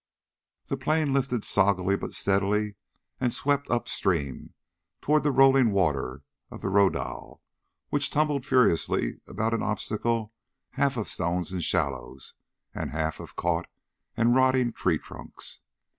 The plane lifted soggily but steadily and swept up stream toward the rolling water of the raudal, which tumbled furiously about an obstacle half of stones and shallows, and half of caught and rotting tree trunks.